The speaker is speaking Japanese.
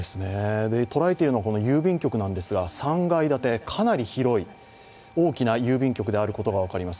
捉えているのは郵便局なんですが３階建て、かなり広い、大きな郵便局であることが分かります。